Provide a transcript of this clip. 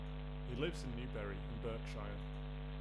He lives in Newbury in Berkshire.